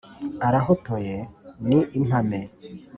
Arahotoye ni impame